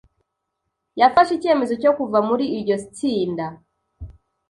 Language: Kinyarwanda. yafashe ikemezo cyo kuva muri iryo tsinda.